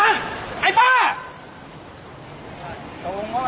อยากมาบอกว่าห้ามกรอบรถตรงนี้